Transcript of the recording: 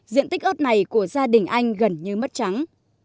diện tích ớt này của gia đình anh gần như mất trắng